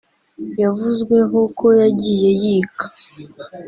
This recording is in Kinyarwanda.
yavuzweho ko yagiye yika